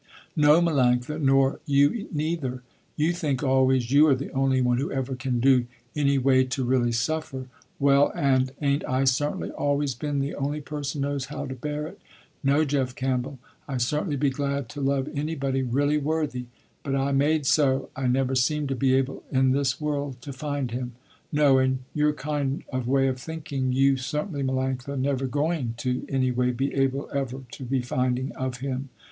"No, Melanctha, nor you neither. You think always, you are the only one who ever can do any way to really suffer." "Well, and ain't I certainly always been the only person knows how to bear it. No, Jeff Campbell, I certainly be glad to love anybody really worthy, but I made so, I never seem to be able in this world to find him." "No, and your kind of way of thinking, you certainly Melanctha never going to any way be able ever to be finding of him.